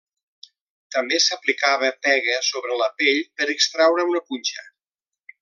També s'aplicava pega sobre la pell per extreure una punxa.